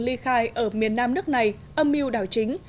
ly khai ở miền nam nước này âm mưu đảo chính